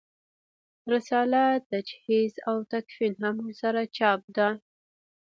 رساله تجهیز او تکفین هم ورسره چاپ ده.